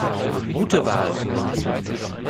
Gute Wahl!